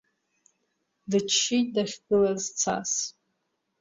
Дыччеит дахьгылаз цас…